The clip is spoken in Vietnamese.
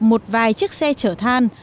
một vài chiếc xe chở than